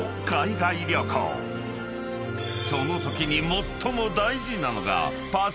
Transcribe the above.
［そのときに最も大事なのが］